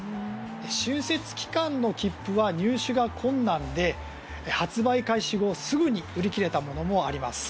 春節期間の切符は入手が困難で発売開始後すぐに売り切れたものもあります。